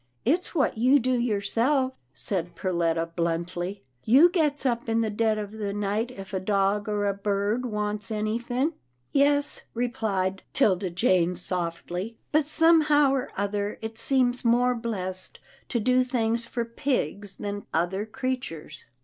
" It's what you do yourself," said Perletta bluntly, " you gets up in the dead of the night if a dog or a bird wants anythin'." Yes," replied 'Tilda Jane, softly, " but some how or other, it seems more blessed to do things for pigs than other creatures."